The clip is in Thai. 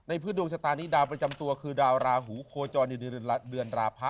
พื้นดวงชะตานี้ดาวประจำตัวคือดาวราหูโคจรอยู่ในเดือนราพะ